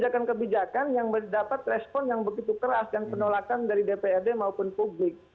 kebijakan kebijakan yang mendapat respon yang begitu keras dan penolakan dari dprd maupun publik